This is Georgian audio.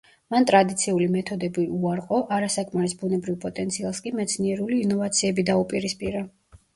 მან ტრადიციული მეთოდები უარყო, არასაკმარის ბუნებრივ პოტენციალს კი მეცნიერული ინოვაციები დაუპირისპირა.